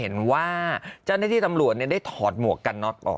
นี่ไงคะ